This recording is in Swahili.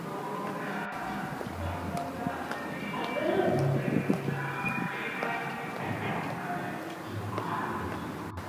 Karibi kuna madola ya visiwani ya Aruba